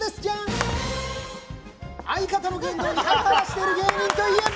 相方の言動にハラハラしている芸能人といえば？